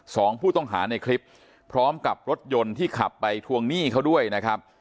สองผู้ต้องหาในคลิปพร้อมกับรถยนต์ที่ขับไปทวงหนี้เขาด้วยนะครับ